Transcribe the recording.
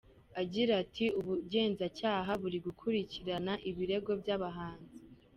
Agira ati “Ubugenzacyaha buri gukurikirana ibirego by’abahanzi.